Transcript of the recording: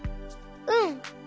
うん。